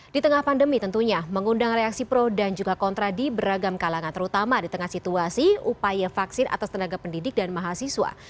di tengah pandemi tentunya mengundang reaksi pro dan juga kontra di beragam kalangan terutama di tengah situasi upaya vaksin atas tenaga pendidik dan mahasiswa